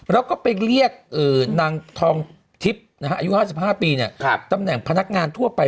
แล้วก็ไปเรียกนางทองทิพย์อายุ๕๕ปีตำแหน่งพนักงานทั่วไป